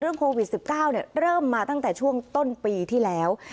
โควิด๑๙เริ่มมาตั้งแต่ช่วงต้นปีที่แล้ว